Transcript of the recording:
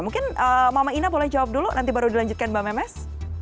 mungkin mama ina boleh jawab dulu nanti baru dilanjutkan mbak memes